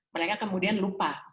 mereka kemudian lupa